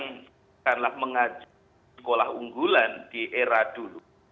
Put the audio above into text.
yang kanlah mengajar sekolah unggulan di era dulu